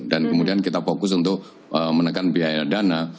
dan kemudian kita fokus untuk menekan biaya dana